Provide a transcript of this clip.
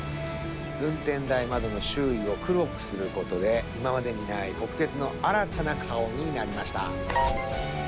運転台窓の周囲を黒くすることで今までにない国鉄の新たな顔になりました。